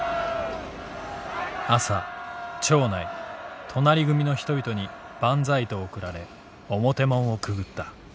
「朝町内隣組の人々にばんざいと送られ表門をくぐった。